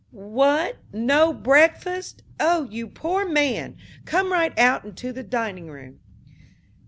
"What, no breakfast! Oh, you poor man! Come right out into the dining room."